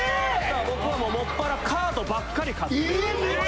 僕はもっぱらカードばっかり買って。